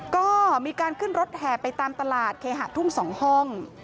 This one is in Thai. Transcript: ก็มีการขึ้นรถแห่ไปตามตลาดเคหะทุ่ง๒ห้อง